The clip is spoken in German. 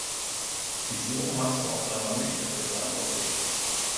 Wieso machst du auf einmal mich dafür verantwortlich?